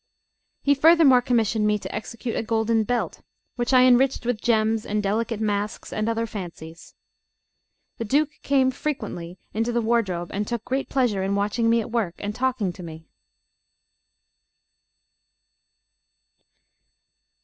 He furthermore commissioned me to execute a golden belt, which I enriched with gems and delicate masks and other fancies. The Duke came frequently into the wardrobe, and took great pleasure in watching me at work and talking to me.